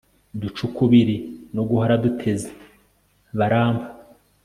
duce ukubiri no guhora duteze barampa